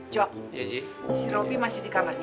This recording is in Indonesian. jok si robby masih di kamar